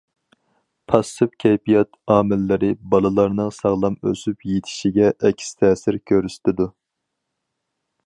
پاسسىپ كەيپىيات ئامىللىرى بالىلارنىڭ ساغلام ئۆسۈپ يېتىلىشىگە ئەكس تەسىر كۆرسىتىدۇ.